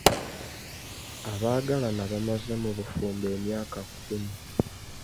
Abaagalana bamaze mu bufumbo emyaka kkumi.